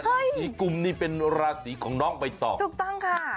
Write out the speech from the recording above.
อีกกลุ่มนี่เป็นราศีของน้องใบตองถูกต้องค่ะ